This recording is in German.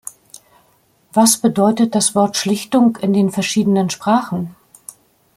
Was bedeutet das Wort Schlichtung in den verschiedenen Sprachen?